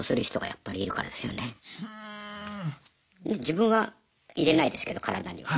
自分は入れないですけど体には。